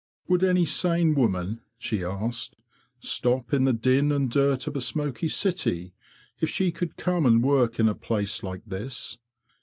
'Would any sane woman," she asked, " stop in the din and dirt of a smoky city, if she could come and work in a place like this?